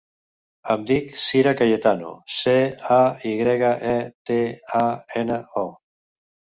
Em dic Cira Cayetano: ce, a, i grega, e, te, a, ena, o.